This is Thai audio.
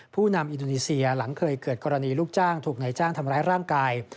ผู้นำอินโดนีเซียหลังเคยเกิดกรณีลูกจ้างถูกนายจ้างทำร้ายร่างกาย